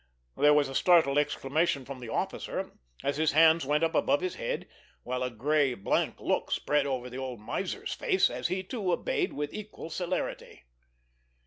There was a startled exclamation from the officer, as his hands went up above his head; while a gray, blank look spread over the old miser's face, as he, too, obeyed with equal celerity.